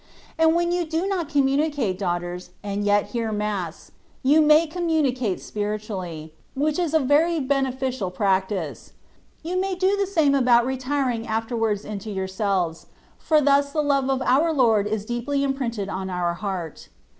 And when you do not communicate, daughters, and yet hear mass, you may communicate spiritually, which is a very beneficial practice : you may do the same about retiring afterwards into yourselves, for thus the love of our Lord is deeply imprinted on our heart.